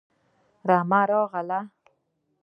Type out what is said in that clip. رمه راغله